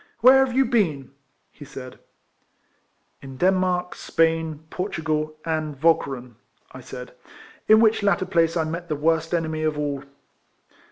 " Where have you been?" he said. '* In Denmark, Spain, Portugal, and Walcheren," I said, " in which latter place I met the worst enemy of all."